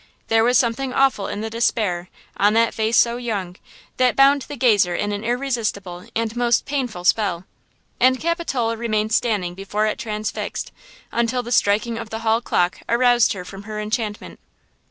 There was something awful in the despair "on that face so young" that bound the gazer in an irresistible and most painful spell. And Capitola remained standing before it transfixed, until the striking of the hall clock aroused her from her enchantment.